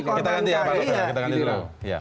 kita ganti dulu